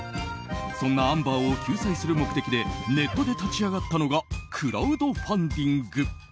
そんなアンバーを救済する目的でネットで立ち上がったのがクラウドファンディング。